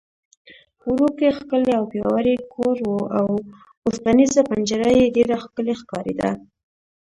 وړوکی، ښکلی او پیاوړی کور و، اوسپنېزه پنجره یې ډېره ښکلې ښکارېده.